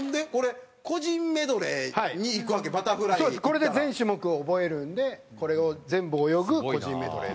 これで全種目を覚えるんでこれを全部泳ぐ個人メドレー。